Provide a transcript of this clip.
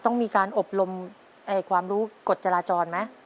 ต้องมีการอบรมความรู้กฎจราจรไหม